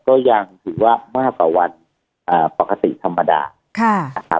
ก็ยังถือว่ามากกว่าวันปกติธรรมดานะครับ